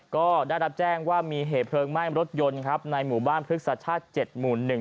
ก็ได้รับแจ้งว่ามีเหตุเพลิงไหม้รถยนต์ครับในหมู่บ้านครึกศาสตร์ชาติเจ็ดหมุนหนึ่ง